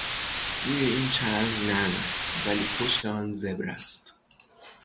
روی این چرم نرم است ولی پشت آن زبر است.